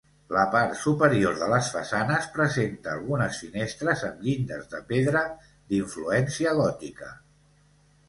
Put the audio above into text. La part superior de les façanes presenta algunes finestres amb llindes de pedra d'influència gòtica.